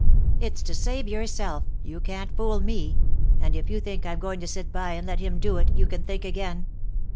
"It's to save yourself. You can't fool me. And if you think I'm going to sit by and let him do it, you can think again."